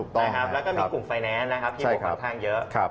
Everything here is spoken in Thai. และก็มีกลุ่มไฟแนนซ์ที่บอกกำลังเยอะ